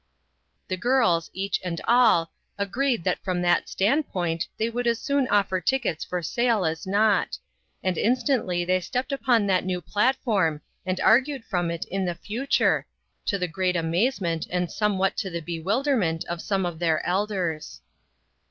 185 The girls, each and all, agreed that from that standpoint they would as soon offer tickets for sale as not; and instantly they stepped upon that new platform and argued from it in the future, to the great amaze ment and somewhat to the bewilderment of some of their elders.